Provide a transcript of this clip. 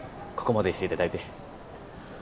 ここまでしていただいて。